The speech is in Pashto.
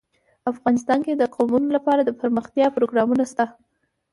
افغانستان کې د قومونه لپاره دپرمختیا پروګرامونه شته.